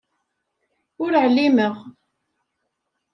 Ur ɛlimeɣ.